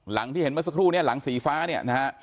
หลังที่เห็นเมื่อสักครู่เนี่ยหลังสีฟ้าเนี่ยนะฮะ